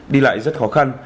đi lại rất khó khăn